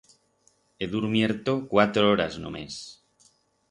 He durmierto cuatro horas només.